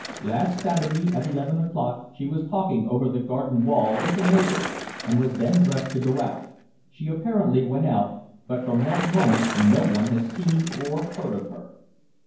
Last Saturday, at eleven o'clock, she was talking over the garden wall with a neighbor and was then dressed to go out. She apparently went out, but from that moment no one has seen or heard of her."